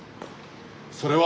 それは」。